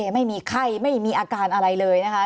ไม่มีไข้ไม่มีอาการอะไรเลยนะคะ